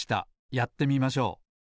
やってみましょう。